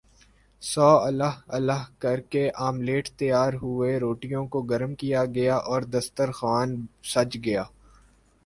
سو اللہ اللہ کر کے آملیٹ تیار ہوئے روٹیوں کو گرم کیا گیااور دستر خوان سج گیا